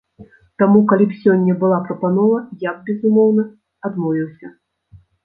Таму калі б сёння была прапанова, я б, безумоўна, адмовіўся.